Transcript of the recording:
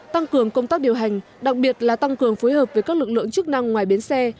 tăng cường công tác điều hành đặc biệt là tăng cường phối hợp với các lực lượng chức năng ngoài bến xe